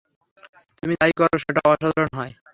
তুমি যা-ই করো সেটা অসাধারণ হয়।